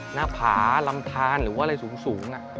หน้าผาลำทานหรือว่าอะไรสูง